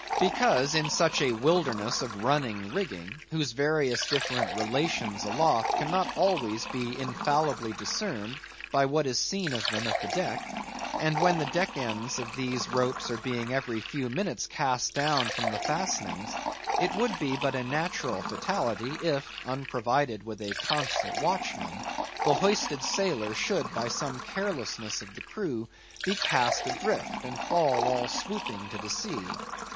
Because in such a wilderness of running rigging, whose various different relations aloft cannot always be infallibly discerned by what is seen of them at the deck; and when the deck ends of these ropes are being every few minutes cast down from the fastenings, it would be but a natural fatality, if, unprovided with a constant watchman, the hoisted sailor should by some carelessness of the crew be cast adrift and fall all swooping to the sea.